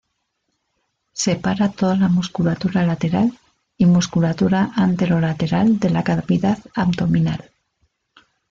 Separa toda la musculatura lateral y musculatura ántero-lateral de la cavidad abdominal.